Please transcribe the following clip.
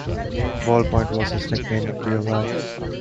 Ballpoint was his nickname in real life.